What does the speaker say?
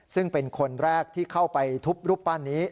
ซึ่งเป็นคนแรกที่เข้าไปทุบรูปปั้นนี้